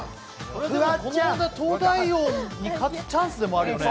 これは東大王に勝つチャンスでもあるよね。